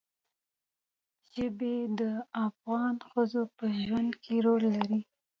ژبې د افغان ښځو په ژوند کې رول لري.